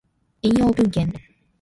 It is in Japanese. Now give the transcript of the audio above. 引用文献